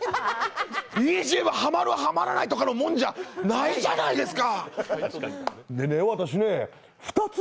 ハマるはまらないとかの問題じゃないじゃないですか。